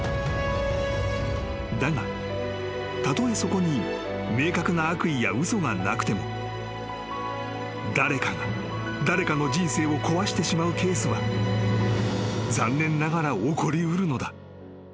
［だがたとえそこに明確な悪意や嘘がなくても誰かが誰かの人生を壊してしまうケースは残念ながら起こり得るのだ］